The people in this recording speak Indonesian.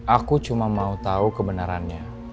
aku cuma mau tahu kebenarannya